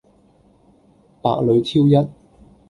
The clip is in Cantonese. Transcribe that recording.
百裏挑一